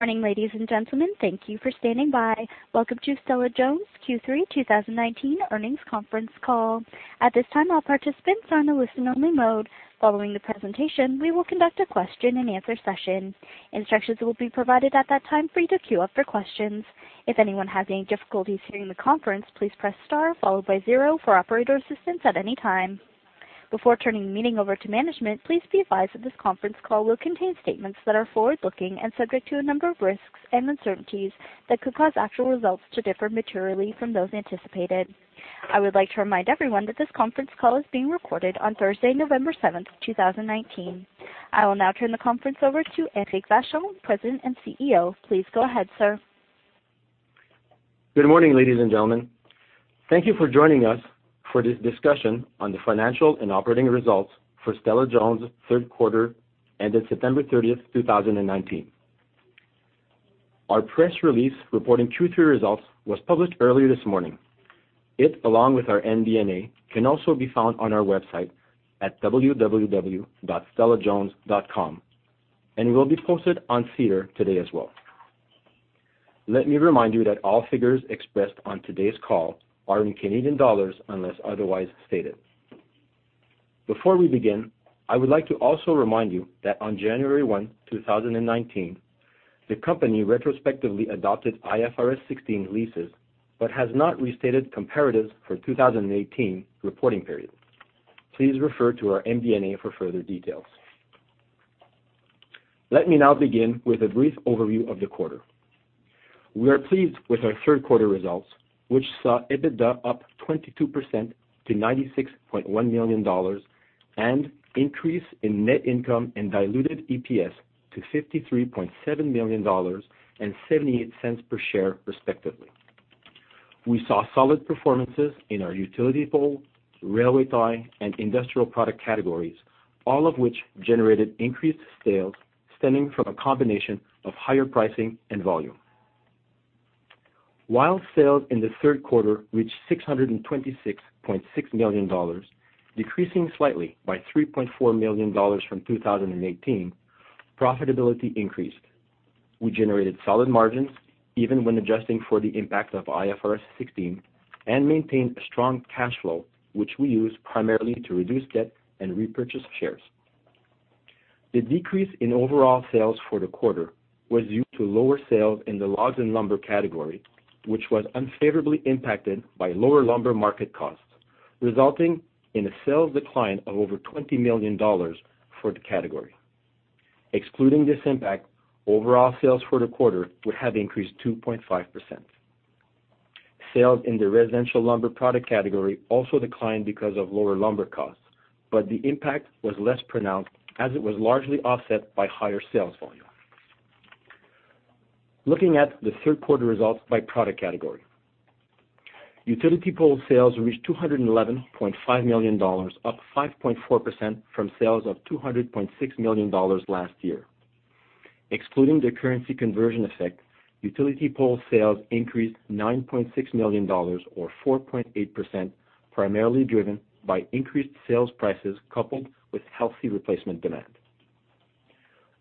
Good morning, ladies and gentlemen. Thank you for standing by. Welcome to Stella-Jones' Q3 2019 earnings conference call. At this time, all participants are in a listen-only mode. Following the presentation, we will conduct a question and answer session. Instructions will be provided at that time for you to queue up for questions. If anyone has any difficulties hearing the conference, please press star followed by zero for operator assistance at any time. Before turning the meeting over to management, please be advised that this conference call will contain statements that are forward-looking and subject to a number of risks and uncertainties that could cause actual results to differ materially from those anticipated. I would like to remind everyone that this conference call is being recorded on Thursday, November 7th, 2019. I will now turn the conference over to Eric Vachon, President and CEO. Please go ahead, sir. Good morning, ladies and gentlemen. Thank you for joining us for this discussion on the financial and operating results for Stella-Jones' third quarter ended September 30th, 2019. Our press release reporting Q3 results was published earlier this morning. It, along with our MD&A, can also be found on our website at www.stellajones.com and will be posted on SEDAR today as well. Let me remind you that all figures expressed on today's call are in Canadian dollars unless otherwise stated. Before we begin, I would like to also remind you that on January 1, 2019, the company retrospectively adopted IFRS 16 leases but has not restated comparatives for 2018 reporting period. Please refer to our MD&A for further details. Let me now begin with a brief overview of the quarter. We are pleased with our third quarter results, which saw EBITDA up 22% to 96.1 million dollars and increase in net income and diluted EPS to 53.7 million dollars and 0.78 per share, respectively. We saw solid performances in our utility pole, railway tie, and industrial product categories, all of which generated increased sales stemming from a combination of higher pricing and volume. While sales in the third quarter reached 626.6 million dollars, decreasing slightly by 3.4 million dollars from 2018, profitability increased. We generated solid margins, even when adjusting for the impact of IFRS 16, and maintained a strong cash flow, which we used primarily to reduce debt and repurchase shares. The decrease in overall sales for the quarter was due to lower sales in the logs and lumber category, which was unfavorably impacted by lower lumber market costs, resulting in a sales decline of over 20 million dollars for the category. Excluding this impact, overall sales for the quarter would have increased 2.5%. Sales in the residential lumber product category also declined because of lower lumber costs, but the impact was less pronounced as it was largely offset by higher sales volume. Looking at the third quarter results by product category. Utility pole sales reached 211.5 million dollars, up 5.4% from sales of 200.6 million dollars last year. Excluding the currency conversion effect, utility pole sales increased 9.6 million dollars, or 4.8%, primarily driven by increased sales prices coupled with healthy replacement demand.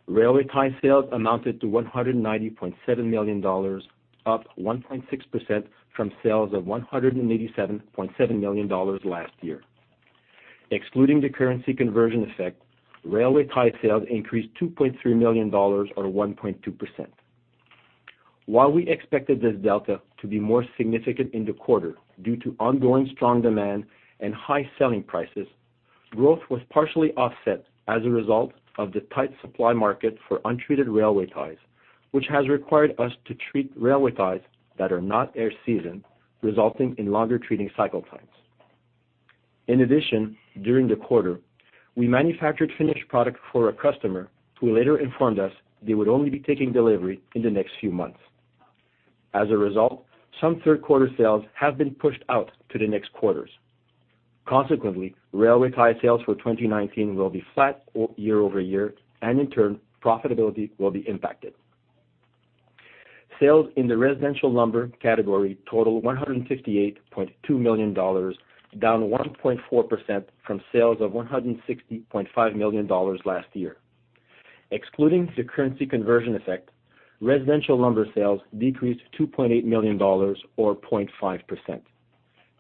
Railway tie sales amounted to 190.7 million dollars, up 1.6% from sales of 187.7 million dollars last year. Excluding the currency conversion effect, railway tie sales increased 2.3 million dollars, or 1.2%. While we expected this delta to be more significant in the quarter due to ongoing strong demand and high selling prices, growth was partially offset as a result of the tight supply market for untreated railway ties, which has required us to treat railway ties that are not air-seasoned, resulting in longer treating cycle times. In addition, during the quarter, we manufactured finished product for a customer who later informed us they would only be taking delivery in the next few months. As a result, some third-quarter sales have been pushed out to the next quarters. Consequently, railway tie sales for 2019 will be flat year-over-year, and in turn, profitability will be impacted. Sales in the residential lumber category totaled 158.2 million dollars, down 1.4% from sales of 160.5 million dollars last year. Excluding the currency conversion effect, residential lumber sales decreased 2.8 million dollars, or 0.5%.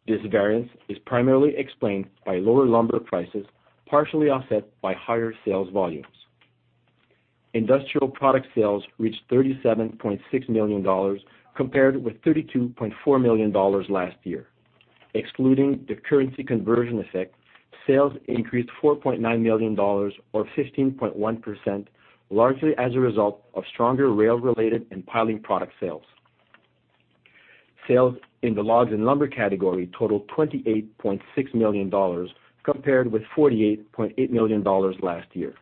This variance is primarily explained by lower lumber prices, partially offset by higher sales volumes. Industrial product sales reached 37.6 million dollars compared with 32.4 million dollars last year. Excluding the currency conversion effect, sales increased 4.9 million dollars, or 15.1%, largely as a result of stronger rail-related and piling product sales. Sales in the Logs and Lumber category totaled 28.6 million dollars compared with 48.8 million dollars last year.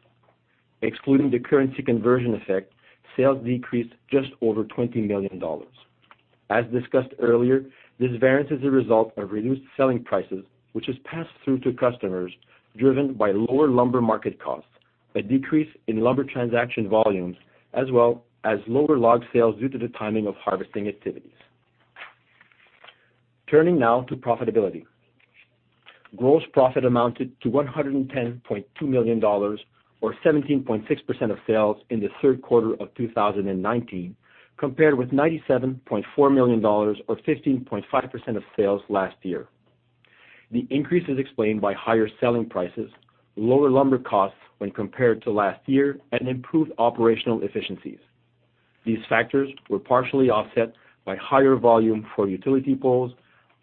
Excluding the currency conversion effect, sales decreased just over 20 million dollars. As discussed earlier, this variance is a result of reduced selling prices, which is passed through to customers driven by lower lumber market costs, a decrease in lumber transaction volumes, as well as lower log sales due to the timing of harvesting activities. Turning now to profitability. Gross profit amounted to 110.2 million dollars, or 17.6% of sales in the third quarter of 2019, compared with 97.4 million dollars, or 15.5% of sales last year. The increase is explained by higher selling prices, lower lumber costs when compared to last year, and improved operational efficiencies. These factors were partially offset by higher volume for utility poles,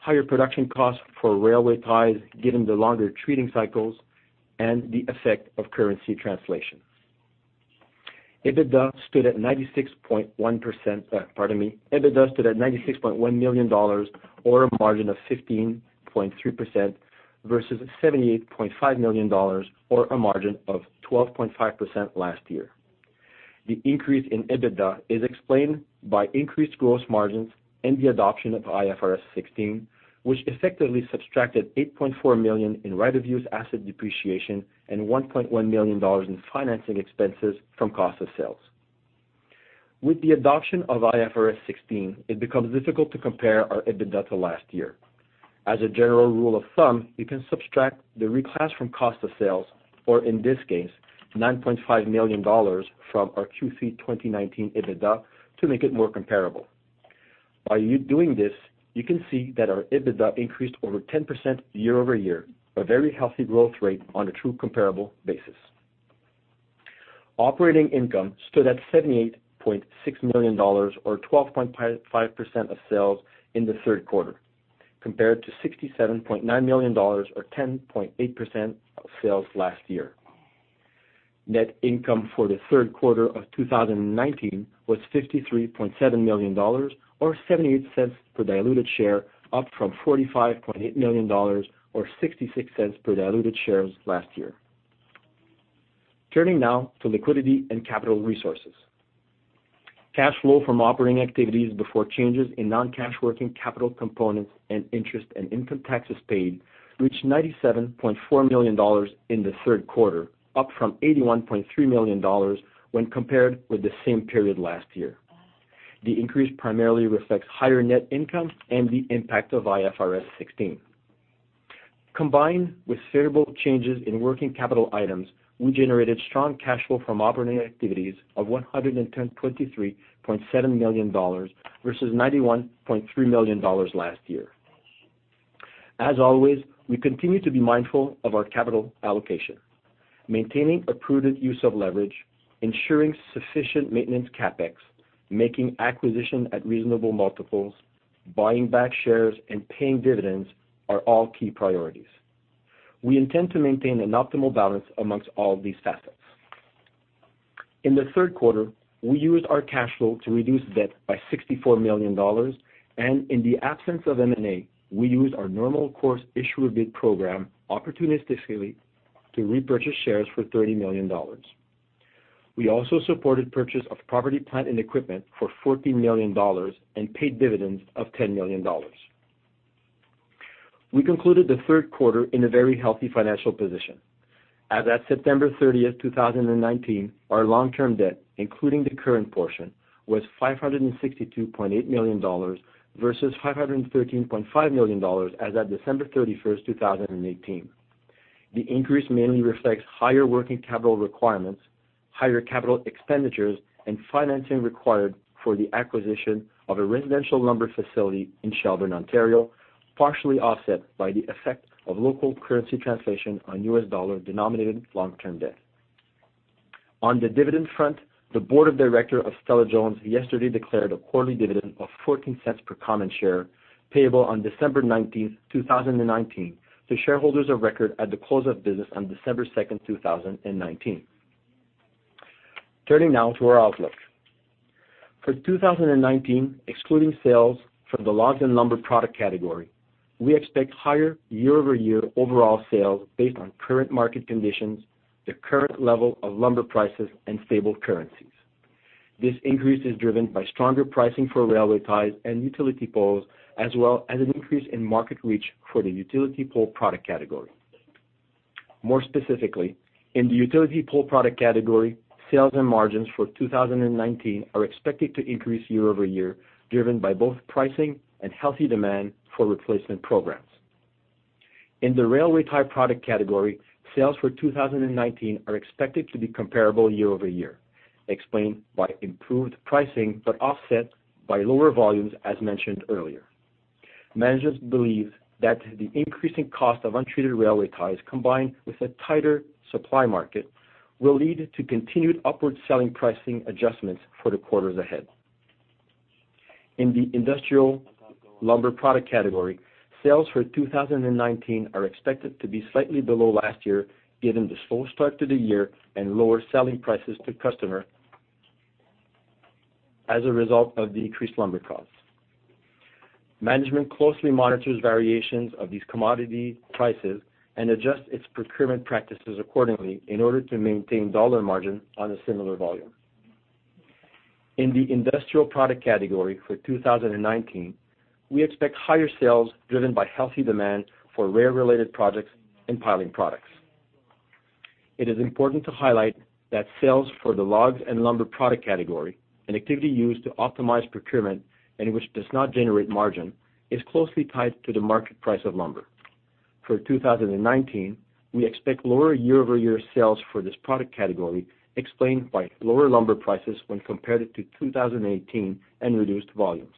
higher production costs for railway ties, given the longer treating cycles, and the effect of currency translation. EBITDA stood at 96.1 million dollars, or a margin of 15.3%, versus 78.5 million dollars or a margin of 12.5% last year. The increase in EBITDA is explained by increased gross margins and the adoption of IFRS 16, which effectively subtracted 8.4 million in right of use asset depreciation and 1.1 million dollars in financing expenses from cost of sales. With the adoption of IFRS 16, it becomes difficult to compare our EBITDA to last year. As a general rule of thumb, you can subtract the reclass from cost of sales, or in this case, 9.5 million dollars from our Q3 2019 EBITDA, to make it more comparable. By doing this, you can see that our EBITDA increased over 10% year-over-year, a very healthy growth rate on a true comparable basis. Operating income stood at 78.6 million dollars or 12.5% of sales in the third quarter, compared to 67.9 million dollars or 10.8% of sales last year. Net income for the third quarter of 2019 was 53.7 million dollars or 0.78 per diluted share, up from 45.8 million dollars or 0.66 per diluted shares last year. Turning now to liquidity and capital resources. Cash flow from operating activities before changes in non-cash working capital components and interest and income taxes paid, reached 97.4 million dollars in the third quarter, up from 81.3 million dollars when compared with the same period last year. The increase primarily reflects higher net income and the impact of IFRS 16. Combined with favorable changes in working capital items, we generated strong cash flow from operating activities of 123.7 million dollars versus 91.3 million dollars last year. As always, we continue to be mindful of our capital allocation. Maintaining a prudent use of leverage, ensuring sufficient maintenance CapEx, making acquisition at reasonable multiples, buying back shares, and paying dividends are all key priorities. We intend to maintain an optimal balance amongst all these facets. In the third quarter, we used our cash flow to reduce debt by 64 million dollars, and in the absence of M&A, we used our normal course issuer bid program opportunistically to repurchase shares for 30 million dollars. We also supported purchase of property, plant, and equipment for 14 million dollars and paid dividends of 10 million dollars. We concluded the third quarter in a very healthy financial position. As at September 30th, 2019, our long-term debt, including the current portion, was 562.8 million dollars versus 513.5 million dollars as at December 31st, 2018. The increase mainly reflects higher working capital requirements, higher capital expenditures, and financing required for the acquisition of a residential lumber facility in Shelburne, Ontario, partially offset by the effect of local currency translation on U.S. dollar-denominated long-term debt. On the dividend front, the board of director of Stella-Jones yesterday declared a quarterly dividend of 0.14 per common share payable on December 19th, 2019, to shareholders of record at the close of business on December 2nd, 2019. Turning now to our outlook. For 2019, excluding sales for the logs and lumber product category, we expect higher year-over-year overall sales based on current market conditions, the current level of lumber prices, and stable currencies. This increase is driven by stronger pricing for railway ties and utility poles, as well as an increase in market reach for the utility pole product category. More specifically, in the utility pole product category, sales and margins for 2019 are expected to increase year-over-year, driven by both pricing and healthy demand for replacement programs. In the railway tie product category, sales for 2019 are expected to be comparable year-over-year, explained by improved pricing, but offset by lower volumes as mentioned earlier. Management believes that the increasing cost of untreated railway ties, combined with a tighter supply market, will lead to continued upward selling pricing adjustments for the quarters ahead. In the industrial lumber product category, sales for 2019 are expected to be slightly below last year, given the slow start to the year and lower selling prices to customer as a result of the increased lumber costs. Management closely monitors variations of these commodity prices and adjusts its procurement practices accordingly in order to maintain dollar margin on a similar volume. In the industrial product category for 2019, we expect higher sales driven by healthy demand for rail-related projects and piling products. It is important to highlight that sales for the logs and lumber product category, an activity used to optimize procurement and which does not generate margin, is closely tied to the market price of lumber. For 2019, we expect lower year-over-year sales for this product category, explained by lower lumber prices when compared to 2018 and reduced volumes.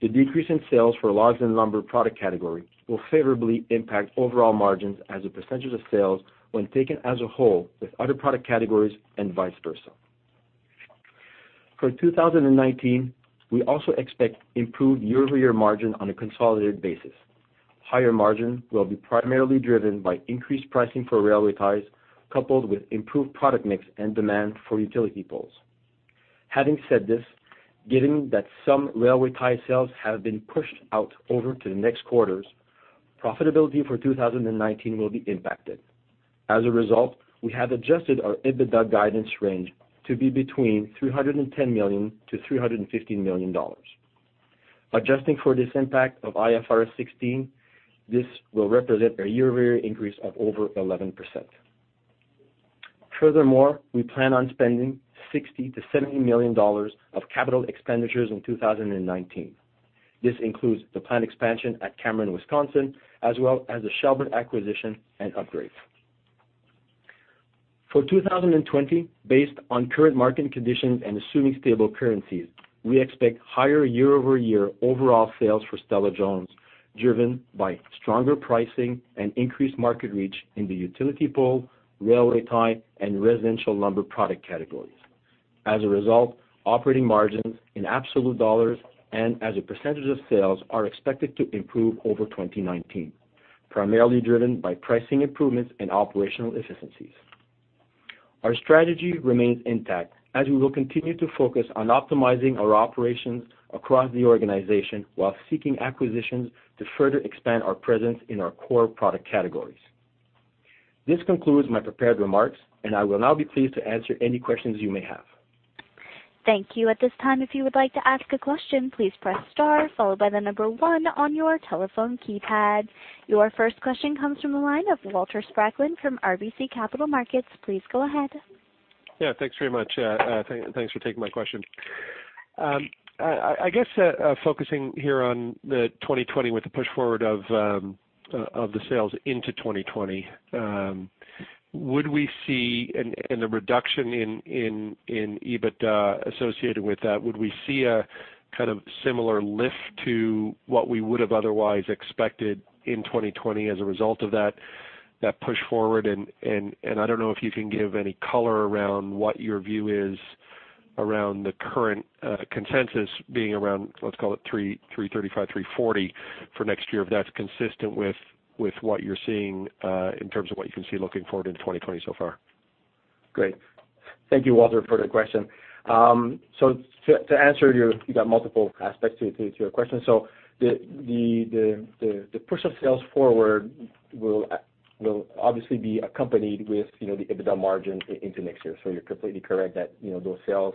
The decrease in sales for logs and lumber product category will favorably impact overall margins as a percentage of sales when taken as a whole with other product categories, and vice versa. For 2019, we also expect improved year-over-year margin on a consolidated basis. Higher margin will be primarily driven by increased pricing for railway ties, coupled with improved product mix and demand for utility poles. Having said this, given that some railway tie sales have been pushed out over to the next quarters, profitability for 2019 will be impacted. As a result, we have adjusted our EBITDA guidance range to be between 310 million-315 million dollars. Adjusting for this impact of IFRS 16, this will represent a year-over-year increase of over 11%. Furthermore, we plan on spending 60 million-70 million dollars of capital expenditures in 2019. This includes the planned expansion at Cameron, Wisconsin, as well as the Shelburne acquisition and upgrades. For 2020, based on current market conditions and assuming stable currencies, we expect higher year-over-year overall sales for Stella-Jones, driven by stronger pricing and increased market reach in the utility pole, railway tie, and residential lumber product categories. As a result, operating margins in absolute dollars and as a percentage of sales are expected to improve over 2019, primarily driven by pricing improvements and operational efficiencies. Our strategy remains intact, as we will continue to focus on optimizing our operations across the organization while seeking acquisitions to further expand our presence in our core product categories. This concludes my prepared remarks, and I will now be pleased to answer any questions you may have. Thank you. At this time, if you would like to ask a question, please press star followed by the number one on your telephone keypad. Your first question comes from the line of Walter Spracklin from RBC Capital Markets. Please go ahead. Yeah. Thanks very much. Thanks for taking my question. I guess focusing here on the 2020 with the push forward of the sales into 2020, and the reduction in EBITDA associated with that, would we see a kind of similar lift to what we would have otherwise expected in 2020 as a result of that push forward? I don't know if you can give any color around what your view is around the current consensus being around, let's call it 335, 340 for next year, if that's consistent with what you're seeing in terms of what you can see looking forward into 2020 so far. Great. Thank you, Walter, for the question. To answer, you got multiple aspects to your question. The push of sales forward will obviously be accompanied with the EBITDA margin into next year. You're completely correct that those sales,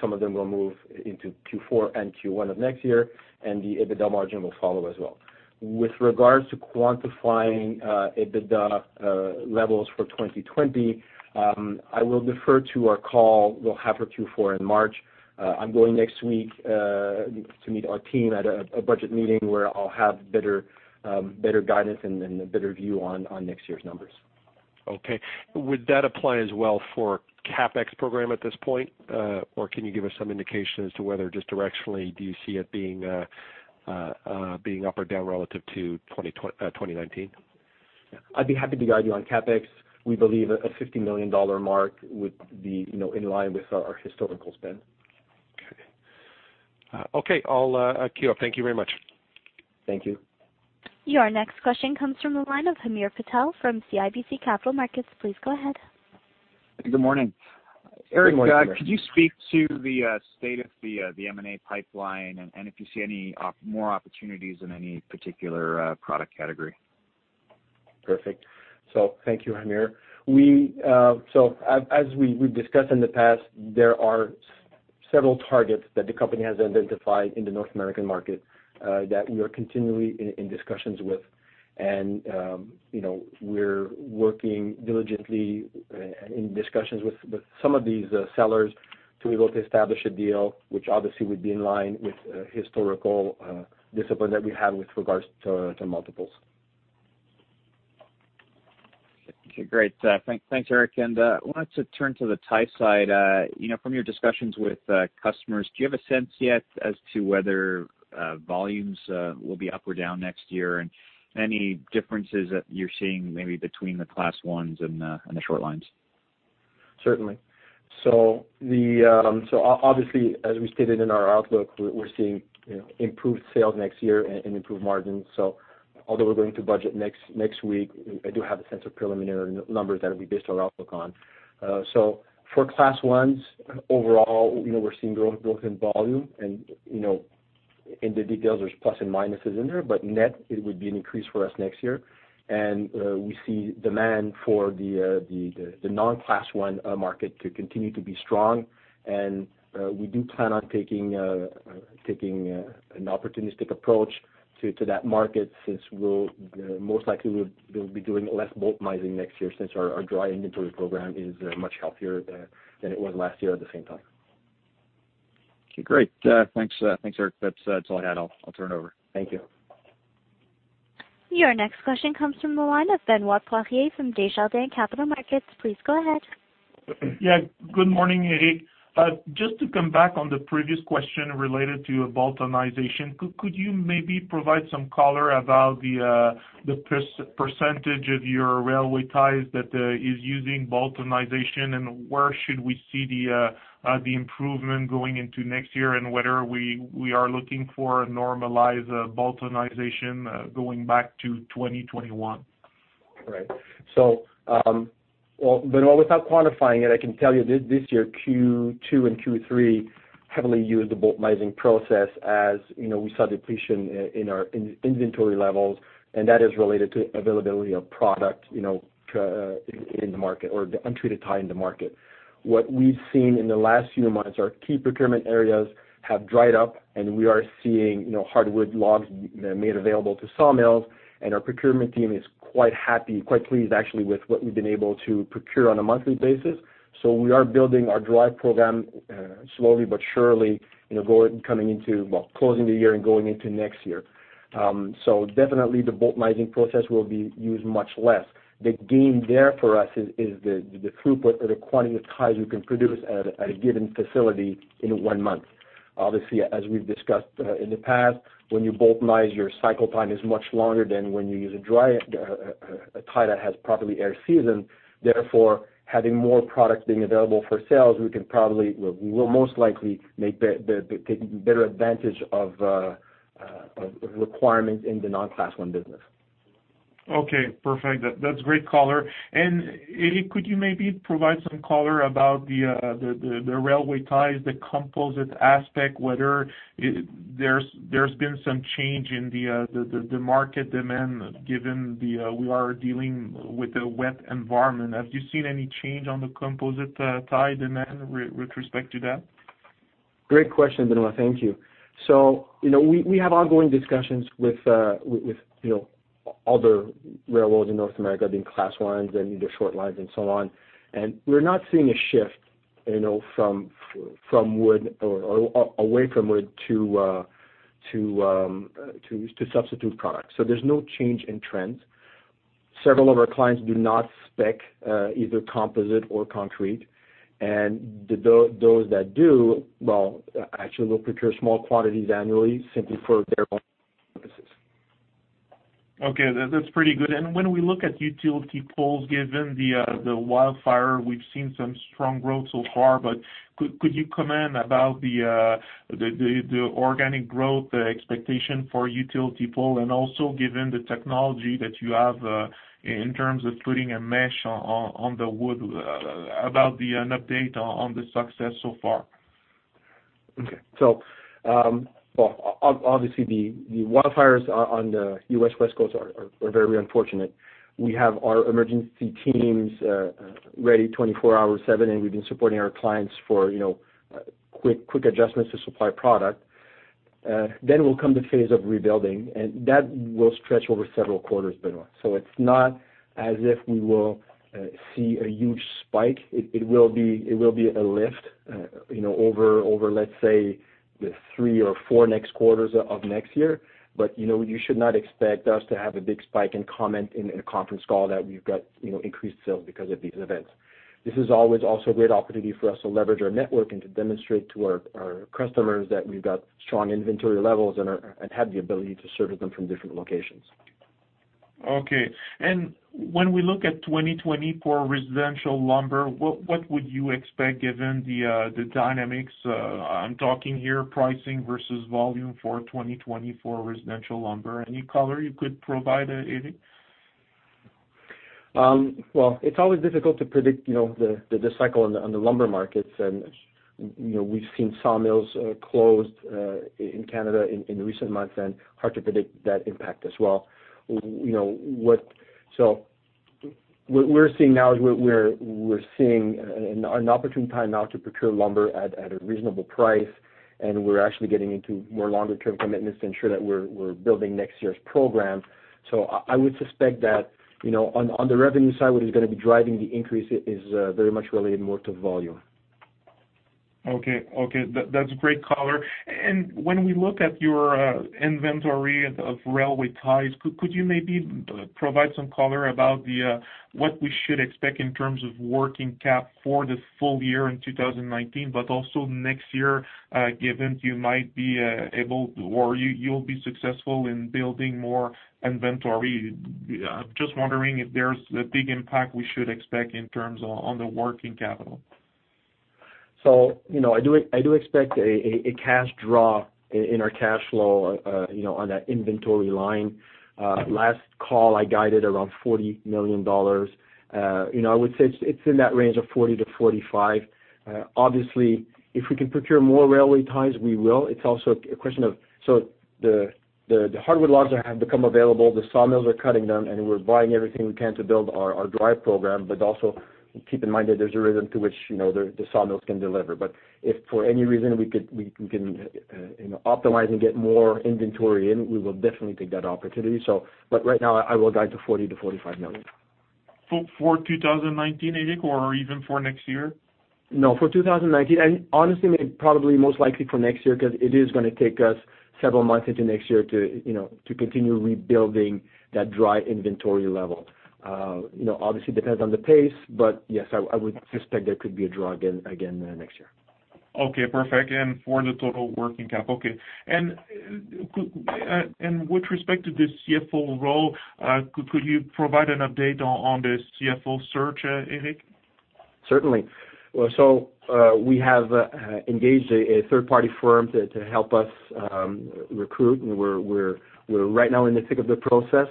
some of them will move into Q4 and Q1 of next year, and the EBITDA margin will follow as well. With regards to quantifying EBITDA levels for 2020, I will defer to our call we'll have for Q4 in March. I'm going next week to meet our team at a budget meeting where I'll have better guidance and a better view on next year's numbers. Okay. Would that apply as well for CapEx program at this point? Can you give us some indication as to whether just directionally, do you see it being up or down relative to 2019? I'd be happy to guide you on CapEx. We believe a 50 million dollar mark would be in line with our historical spend. Okay. I'll queue up. Thank you very much. Thank you. Your next question comes from the line of Hamir Patel from CIBC Capital Markets. Please go ahead. Good morning. Good morning, Hamir. Eric, could you speak to the state of the M&A pipeline and if you see any more opportunities in any particular product category? Perfect. Thank you, Hamir. As we've discussed in the past, there are several targets that the company has identified in the North American market that we are continually in discussions with. We're working diligently and in discussions with some of these sellers to be able to establish a deal, which obviously would be in line with historical discipline that we have with regards to multiples. Okay. Great. Thanks, Eric. I wanted to turn to the tie side. From your discussions with customers, do you have a sense yet as to whether volumes will be up or down next year, and any differences that you're seeing maybe between the Class Is and the short lines? Certainly. Obviously, as we stated in our outlook, we're seeing improved sales next year and improved margins. Although we're going to budget next week, I do have a sense of preliminary numbers that we based our outlook on. For Class Is, overall, we're seeing growth in volume and in the details, there's plus and minuses in there. Net, it would be an increase for us next year. We see demand for the non-Class I market to continue to be strong. We do plan on taking an opportunistic approach to that market since we'll most likely be doing less boultonizing next year since our dry inventory program is much healthier than it was last year at the same time. Okay, great. Thanks, Eric. That's all I had. I'll turn it over. Thank you. Your next question comes from the line of Benoit Poirier from Desjardins Capital Markets. Please go ahead. Yeah. Good morning, Eric. Just to come back on the previous question related to boultonization, could you maybe provide some color about the percentage of your railway ties that is using boultonization, and where should we see the improvement going into next year, and whether we are looking for a normalized boultonization going back to 2021? Right. Benoit, without quantifying it, I can tell you this year, Q2 and Q3 heavily used the boultonizing process as we saw depletion in our inventory levels, and that is related to availability of product in the market or the untreated tie in the market. What we've seen in the last few months, our key procurement areas have dried up, and we are seeing hardwood logs made available to sawmills, and our procurement team is quite happy, quite pleased actually with what we've been able to procure on a monthly basis. We are building our dry program slowly but surely, closing the year and going into next year. Definitely the boultonizing process will be used much less. The gain there for us is the throughput or the quantity of ties we can produce at a given facility in one month. Obviously, as we've discussed in the past, when you boultonize, your cycle time is much longer than when you use a tie that has properly air seasoned. Therefore, having more product being available for sales, we will most likely take better advantage of requirements in the non-Class I business. Okay, perfect. That's great color. Eric, could you maybe provide some color about the railway ties, the composite aspect, whether there's been some change in the market demand given we are dealing with a wet environment. Have you seen any change on the composite tie demand with respect to that? Great question, Benoit. Thank you. We have ongoing discussions with other railroads in North America, being Class Is and the short lines and so on. We're not seeing a shift from wood or away from wood to substitute products. There's no change in trends. Several of our clients do not spec either composite or concrete, and those that do, well, actually they'll procure small quantities annually simply for their own purposes. Okay. That's pretty good. When we look at utility poles, given the wildfire, we've seen some strong growth so far, but could you comment about the organic growth expectation for utility pole, and also given the technology that you have in terms of putting a mesh on the wood, about the update on the success so far? Okay. Obviously the wildfires on the U.S. West Coast are very unfortunate. We have our emergency teams ready 24/7, and we've been supporting our clients for quick adjustments to supply product. Will come the phase of rebuilding, and that will stretch over several quarters, Benoit. It's not as if we will see a huge spike. It will be a lift over, let's say, the three or four next quarters of next year. You should not expect us to have a big spike and comment in a conference call that we've got increased sales because of these events. This is always also a great opportunity for us to leverage our network and to demonstrate to our customers that we've got strong inventory levels and have the ability to service them from different locations. Okay. When we look at 2020 residential lumber, what would you expect given the dynamics? I'm talking here pricing versus volume for 2020 residential lumber. Any color you could provide, Eric? Well, it's always difficult to predict the cycle on the lumber markets, and we've seen sawmills closed in Canada in recent months, and hard to predict that impact as well. What we're seeing now is an opportune time now to procure lumber at a reasonable price, and we're actually getting into more longer term commitments to ensure that we're building next year's program. I would suspect that on the revenue side, what is going to be driving the increase is very much related more to volume. Okay. That's great color. When we look at your inventory of railway ties, could you maybe provide some color about what we should expect in terms of working cap for the full year in 2019, but also next year, given you might be able to, or you'll be successful in building more inventory? Just wondering if there's a big impact we should expect in terms on the working capital. I do expect a cash draw in our cash flow on that inventory line. Last call, I guided around 40 million dollars. I would say it's in that range of 40 million-45 million. Obviously, if we can procure more railway ties, we will. It's also a question the hardwood logs have become available. The sawmills are cutting them, and we're buying everything we can to build our dry program. Also keep in mind that there's a rhythm to which the sawmills can deliver. If for any reason we can optimize and get more inventory in, we will definitely take that opportunity. Right now, I will guide to 40 million-45 million. For 2019, Eric, or even for next year? No, for 2019. Honestly, maybe probably most likely for next year, because it is going to take us several months into next year to continue rebuilding that dry inventory level. Obviously, it depends on the pace, but yes, I would suspect there could be a draw again next year. Okay, perfect. Okay. With respect to the CFO role, could you provide an update on the CFO search, Eric? Certainly. We have engaged a third-party firm to help us recruit, and we're right now in the thick of the process.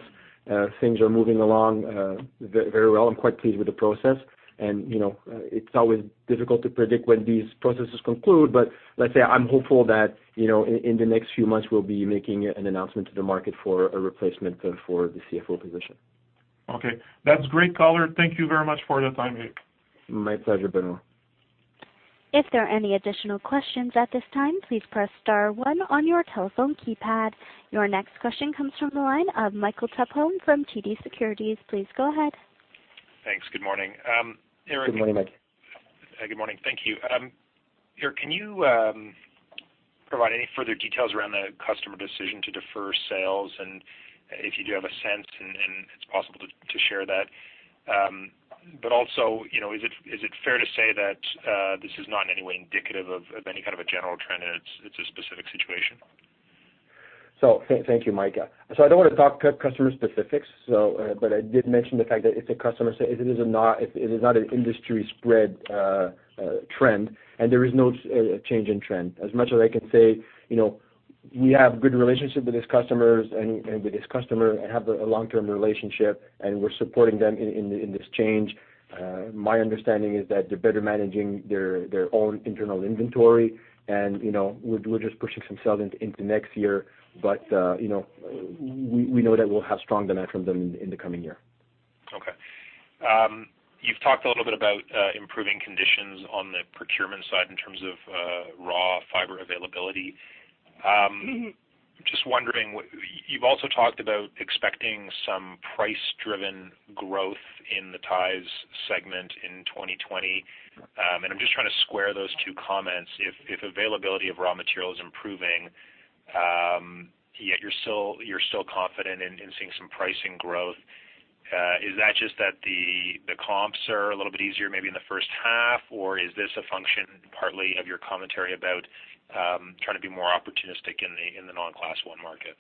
Things are moving along very well. I'm quite pleased with the process. It's always difficult to predict when these processes conclude, but let's say I'm hopeful that in the next few months, we'll be making an announcement to the market for a replacement for the CFO position. Okay. That's great color. Thank you very much for the time, Eric. My pleasure, Benoit. If there are any additional questions at this time, please press star one on your telephone keypad. Your next question comes from the line of Michael Tupholme from TD Securities. Please go ahead. Thanks. Good morning. Good morning, Mike. Good morning. Thank you. Eric, can you provide any further details around the customer decision to defer sales, and if you do have a sense and it's possible to share that? Also, is it fair to say that this is not in any way indicative of any kind of a general trend, and it's a specific situation? Thank you, Mike. I don't want to talk customer specifics, but I did mention the fact that it's a customer, it is not an industry-spread trend, and there is no change in trend. As much as I can say, we have good relationship with this customer and have a long-term relationship, and we're supporting them in this change. My understanding is that they're better managing their own internal inventory, and we're just pushing some sales into next year. We know that we'll have strong demand from them in the coming year. Okay. You've talked a little bit about improving conditions on the procurement side in terms of raw fiber availability. Just wondering, you've also talked about expecting some price-driven growth in the ties segment in 2020. I'm just trying to square those two comments. If availability of raw material is improving, yet you're still confident in seeing some pricing growth, is that just that the comps are a little bit easier maybe in the first half, or is this a function partly of your commentary about trying to be more opportunistic in the non-Class I market?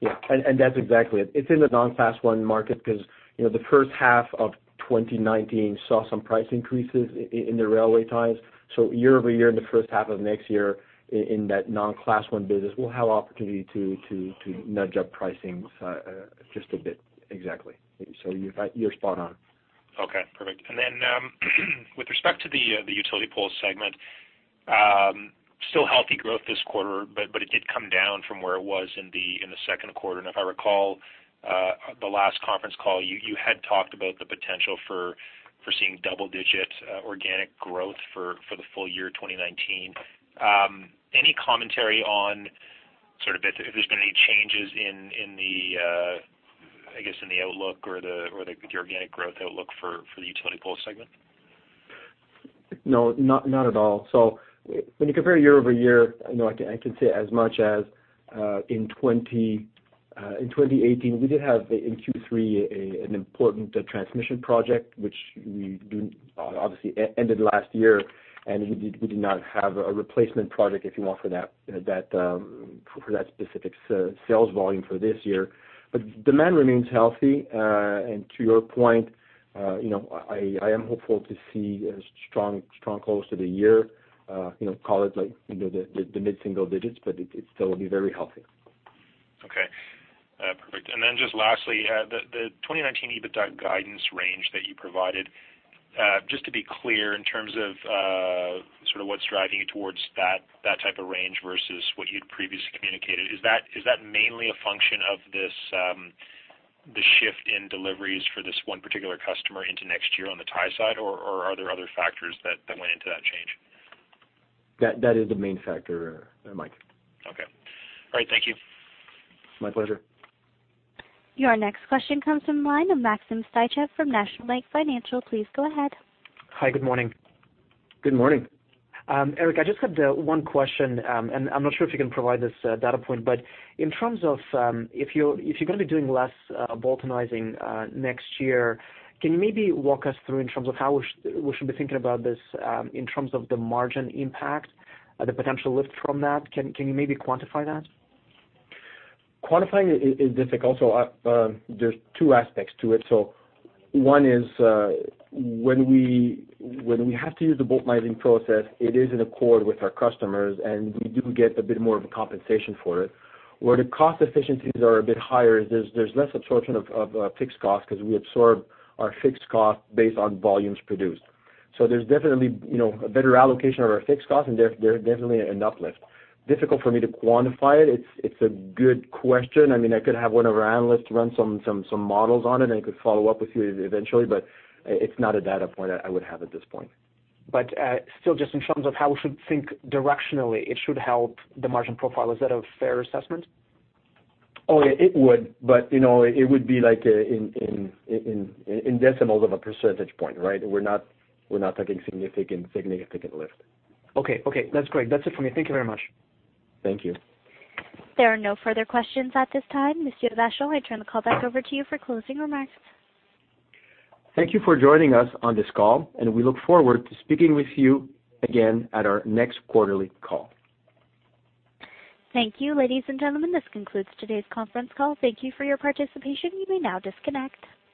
Yeah, that's exactly it. It's in the non-Class I market because the first half of 2019 saw some price increases in the railway ties. Year-over-year, in the first half of next year, in that non-Class I business, we'll have opportunity to nudge up pricing just a bit. Exactly. You're spot on. Okay, perfect. With respect to the utility pole segment, still healthy growth this quarter, but it did come down from where it was in the second quarter. If I recall, the last conference call, you had talked about the potential for seeing double-digit organic growth for the full year 2019. Any commentary on sort of if there's been any changes in the, I guess, in the outlook or the organic growth outlook for the utility pole segment? No, not at all. When you compare year-over-year, I can say as much as in 2018, we did have in Q3 an important transmission project, which obviously ended last year, and we did not have a replacement project, if you want, for that specific sales volume for this year. Demand remains healthy. To your point, I am hopeful to see a strong close to the year. Call it like the mid-single digits, but it still will be very healthy. Okay, perfect. Then just lastly, the 2019 EBITDA guidance range that you provided, just to be clear, in terms of sort of what's driving you towards that type of range versus what you'd previously communicated, is that mainly a function of the shift in deliveries for this one particular customer into next year on the tie side, or are there other factors that went into that change? That is the main factor there, Mike. Okay. All right, thank you. My pleasure. Your next question comes from the line of Maxim Sytchev from National Bank Financial. Please go ahead. Hi, good morning. Good morning. Eric, I just had one question. I'm not sure if you can provide this data point, but in terms of if you're going to be doing less boultonizing next year, can you maybe walk us through in terms of how we should be thinking about this in terms of the margin impact, the potential lift from that? Can you maybe quantify that? Quantifying it is difficult. There's two aspects to it. One is when we have to use the boultonizing process, it is in accord with our customers, and we do get a bit more of a compensation for it. Where the cost efficiencies are a bit higher, there's less absorption of fixed cost because we absorb our fixed cost based on volumes produced. There's definitely a better allocation of our fixed cost, and there's definitely an uplift. Difficult for me to quantify it. It's a good question. I could have one of our analysts run some models on it, and I could follow up with you eventually, but it's not a data point I would have at this point. Still, just in terms of how we should think directionally, it should help the margin profile. Is that a fair assessment? Oh, yeah. It would, but it would be like in decimals of a percentage point, right? We're not talking significant lift. Okay. That's great. That's it for me. Thank you very much. Thank you. There are no further questions at this time. Monsieur Vachon, I turn the call back over to you for closing remarks. Thank you for joining us on this call, and we look forward to speaking with you again at our next quarterly call. Thank you, ladies and gentlemen. This concludes today's conference call. Thank you for your participation. You may now disconnect.